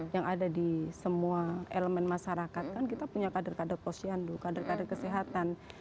yang ada di semua elemen masyarakat kan kita punya kader kader posyandu kader kader kesehatan